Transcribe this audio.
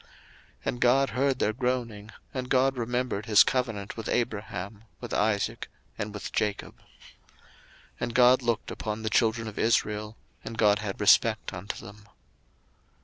02:002:024 And God heard their groaning, and God remembered his covenant with Abraham, with Isaac, and with Jacob. 02:002:025 And God looked upon the children of Israel, and God had respect unto them.